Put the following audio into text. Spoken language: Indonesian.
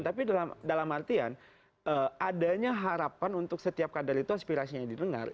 tapi dalam artian adanya harapan untuk setiap kader itu aspirasinya didengar